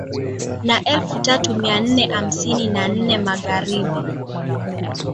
na elfu tatu mia nne hamsini na nne Magharibi